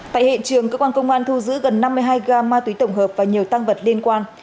tại hiện trường cơ quan công an thu giữ gần năm mươi hai gam ma túy tổng hợp và nhiều tăng vật liên quan